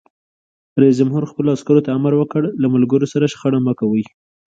رئیس جمهور خپلو عسکرو ته امر وکړ؛ له ملګرو سره شخړه مه کوئ!